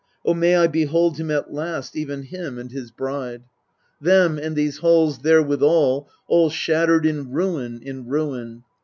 O may I behold him at last, even him and his bride, MEDEA 249 Them, and these halls therewithal, all shattered in ruin, in ruin